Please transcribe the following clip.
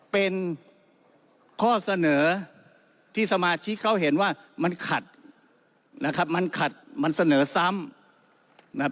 เป็นข้อเสนอที่สมาชิกเขาเห็นว่ามันขัดนะครับมันขัดมันเสนอซ้ำนะครับ